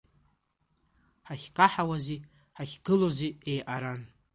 Ҳахькаҳауази ҳахьгылози еиҟаран.